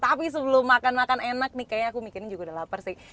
tapi sebelum makan makan enak nih kayaknya aku mikirnya juga udah lapar sih